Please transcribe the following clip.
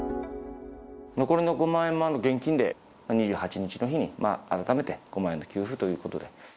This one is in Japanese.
残りの５万円も現金で２８日の日に、改めて５万円の給付ということで。